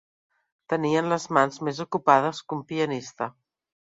Tenien les mans més ocupades que un pianista.